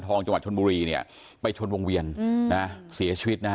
ทองจังหวัดชนมุรีเนี่ยไปชนวงเวียนอืมนะเสียชีวิตแล้ว